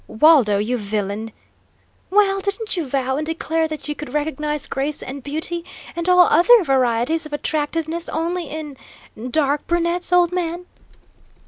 "Waldo, you villain!" "Well, didn't you vow and declare that you could recognise grace and beauty and all other varieties of attractiveness only in dark brunettes, old man?"